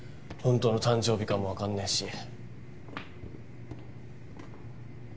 本当の誕生日かもわかんねえし。